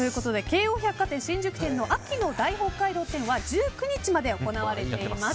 京王百貨店新宿店の秋の大北海道展は１９日まで行われています。